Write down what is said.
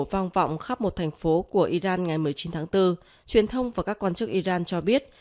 vang vọng khắp một thành phố của iran ngày một mươi chín tháng bốn truyền thông và các quan chức iran cho biết